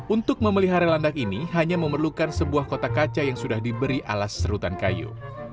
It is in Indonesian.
untuk memelihara landak ini hanya memerlukan sebuah kotak kaca yang sudah diberi alas serutan kayu